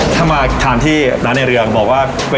ถ้ามาถามที่น้านไอ้เรืองบอกว่า